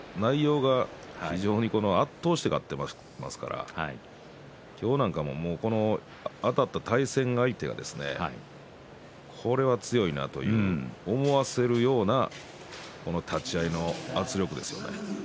勝っている内容が圧倒して勝っていますから今日なんかもあたった対戦相手がこれは強いなというふうに思わせるような立ち合いの圧力ですからね。